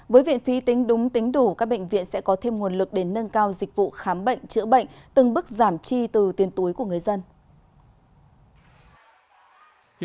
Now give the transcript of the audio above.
với viện phí tính đúng tính đủ các bệnh viện sẽ có thêm nguồn lực để nâng cao dịch vụ khám bệnh chữa bệnh từng bước giảm chi từ tiền túi của người dân